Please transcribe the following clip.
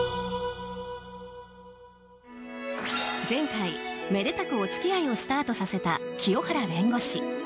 前回、めでたくお付き合いをスタートさせた清原弁護士。